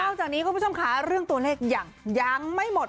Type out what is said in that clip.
จากนี้คุณผู้ชมค่ะเรื่องตัวเลขยังไม่หมด